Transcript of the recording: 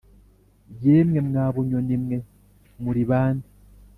Yemwe mwa bunyoni mwe, muuri bande ?